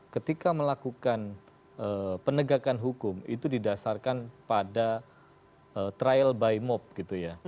ketika melakukan penegakan hukum itu didasarkan pada trial by mop gitu ya